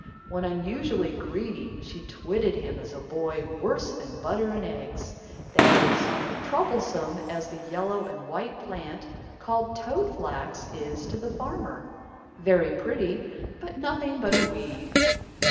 When unusually greedy, she twitted him as a boy "worse than Butter and Eggs"; that is, as troublesome as the yellow and white plant, called toad flax, is to the farmer very pretty, but nothing but a weed.